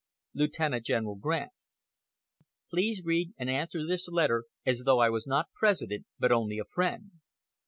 Lieutenant General Grant: Please read and answer this letter as though I was not President, but only a friend.